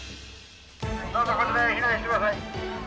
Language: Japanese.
どうぞ、こちらに避難してください。